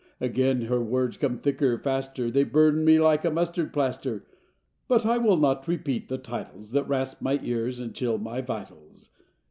Again her words come thicker, faster, They burn me like a mustard plaster. But I will not repeat the titles That rasp my ears and chill my vitals.